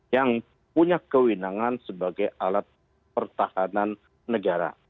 yang punya kewenangan sebagai alat pertahanan negara